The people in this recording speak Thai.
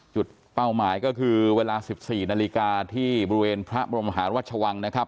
เป้าหมายก็คือเวลา๑๔นาฬิกาที่บริเวณพระบรมหาราชวังนะครับ